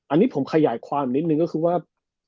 อันนี้ผมขยายความนิดนึงก็คือว่า